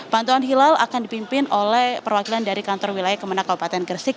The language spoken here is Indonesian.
pantauan hilal akan dipimpin oleh perwakilan dari kantor wilayah kemenang kabupaten gresik